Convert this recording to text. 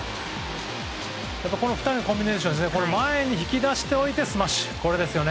この２人のコンビネーション前に引き出しておいてスマッシュいいですね！